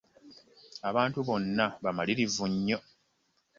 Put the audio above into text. Abantu bonna bamalirivu nnyo.